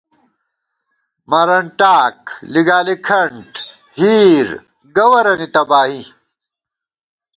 مرن ٹاک/ لِگالی کھنٹ/ ہِیر(گوَرَنی تباہی)